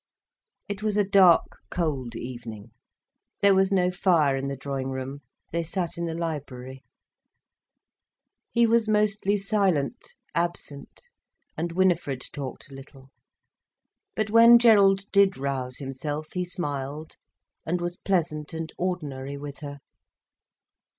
It was a dark, cold evening. There was no fire in the drawing room, they sat in the library. He was mostly silent, absent, and Winifred talked little. But when Gerald did rouse himself, he smiled and was pleasant and ordinary with her.